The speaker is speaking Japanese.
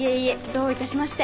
どういたしまして。